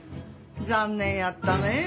残念やったねぇ。